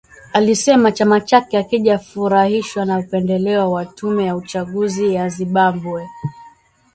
Alisema chama chake hakijafurahishwa na upendeleo wa tume ya uchaguzi ya Zimbabwe